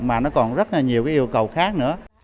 mà nó còn rất nhiều yêu cầu khác nữa